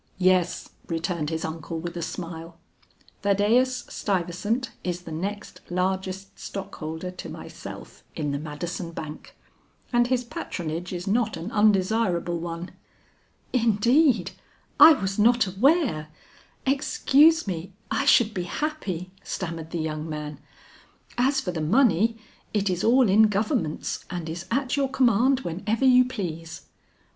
"Yes," returned his uncle with a smile, "Thaddeus Stuyvesant is the next largest stockholder to myself in the Madison Bank, and his patronage is not an undesirable one." "Indeed I was not aware excuse me, I should be happy," stammered the young man. "As for the money, it is all in Governments and is at your command whenever you please."